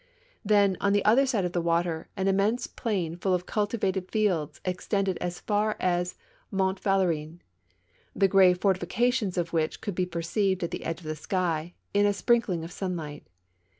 Then, on the other side of the water, an immense plain full of cultivated fields extended as far as Mont Vale rien, the gray fortifications of which could be perceived at the edge of the sky, in a sprink ling of sunlight.